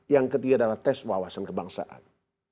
yang ketiga adalah tes wawasan kebangsaan